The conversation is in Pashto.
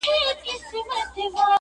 ځوانان د ازادۍ غږ اخبار ته ګوري حيران